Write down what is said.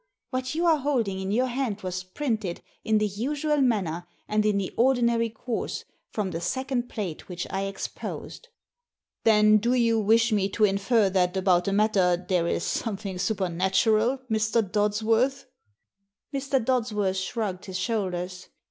What you are holding in your hand was printed, in the usual manner and in the ordinary course, from the second plate which I exposed." "Then do you wish me to infer that about the matter there is something supernatural, Mr. Dods worth ?" Mr. Dodsworth shrugged his shoulders.